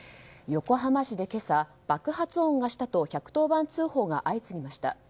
横浜市で、今朝、爆発音がしたと１１０番通報が相次ぎました。